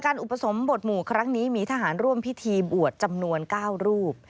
อุปสมบทหมู่ครั้งนี้มีทหารร่วมพิธีบวชจำนวน๙รูป